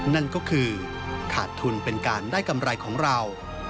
นั่นก็คือขาดทุนเป็นการได้กำไรของเรา